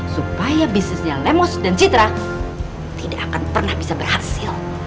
supaya bisnisnya lemos dan citra tidak akan pernah bisa berhasil